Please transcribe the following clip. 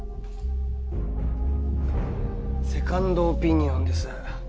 セカンドオピニオンです。